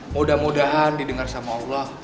mudah mudahan didengar sama allah